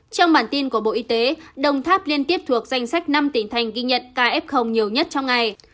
trong bản tin của bộ y tế đồng tháp liên tiếp thuộc danh sách năm tỉnh thành ghi nhận caf nhiều nhất trong ngày